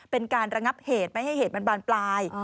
เป็นการระงับเหตุไม่ให้เหตุมันบานปลาย